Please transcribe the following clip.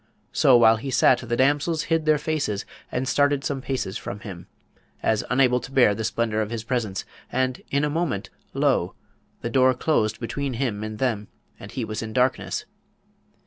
So, while he sat the damsels hid their faces and started some paces from him, as unable to bear the splendour of his presence, and in a moment, lo! the door closed between him and them, and he was in darkness.